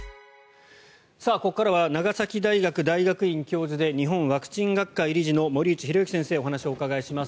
ここからは長崎大学大学院教授で日本ワクチン学会理事の森内浩幸先生にお話をお伺いします。